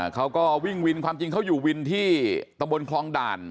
เขาก็วิ่งวินความจริงเขาอยู่วินที่ตำบลคลองด่าน